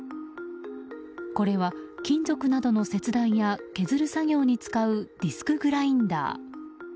これは、金属などの切断や削る作業に使うディスクグラインダー。